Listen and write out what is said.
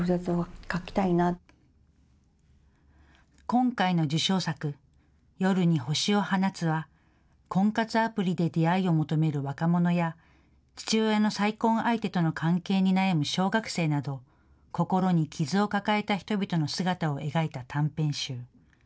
今回の受賞作、夜に星を放つは、婚活アプリで出会いを求める若者や、父親の再婚相手との関係に悩む小学生など心に傷を抱えた人々の姿を描いた短編集。